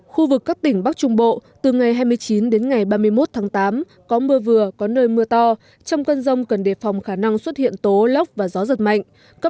khu vực các tỉnh bắc trung bộ từ ngày hai mươi chín đến ngày ba mươi một tháng tám có mưa vừa có nơi mưa to trong cơn rông cần đề phòng khả năng xuất hiện tố lóc và gió giật mạnh cấp độ rủi ro thiên tai cấp một